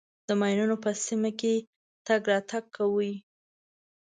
د ماینونو په سیمه کې تګ راتګ کوئ.